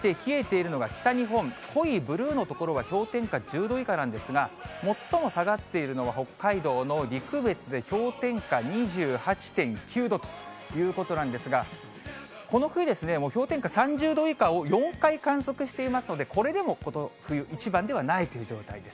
そうしますと、目立った冷えているのが北日本、濃いブルーの所が氷点下１０度以下なんですが、最も下がっているのは北海道の陸別で、氷点下２８．９度ということなんですが、この冬、氷点下３０度以下を４回観測していますので、これでもこの冬一番ではないという状態です。